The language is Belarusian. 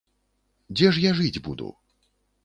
Дзе ж я жыць буду?